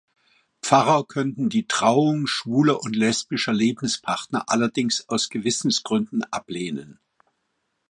Pfarrer könnten die Trauung schwuler und lesbischer Lebenspartner allerdings aus Gewissensgründen ablehnen.